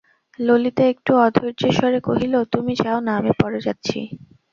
ললিতা একটু অধৈর্যের স্বরে কহিল, তুমি যাও-না, আমি পরে যাচ্ছি।